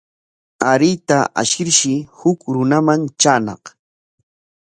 Aruyta ashirshi huk runaman traañaq.